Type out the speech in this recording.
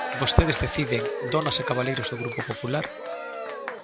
Vostedes deciden, donas e cabaleiros do Grupo Popular.